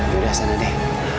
yaudah sana deh